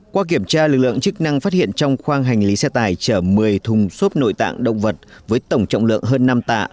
qua kiểm tra lực lượng chức năng phát hiện trong khoang hành lý xe tải chở một mươi thùng xốp nội tạng động vật với tổng trọng lượng hơn năm tạ